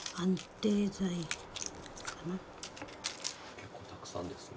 結構たくさんですね。